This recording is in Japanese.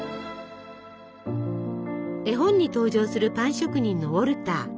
絵本に登場するパン職人のウォルター。